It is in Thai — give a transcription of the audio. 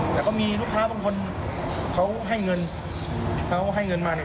แต่ก็มีลูกค้าบางคนเขาให้เงินเขาให้เงินมาเนี่ย